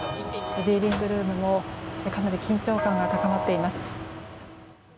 デイリングルームもかなり緊張感が高まっています。